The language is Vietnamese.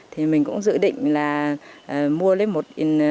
thì mình cũng dự định là mua lấy một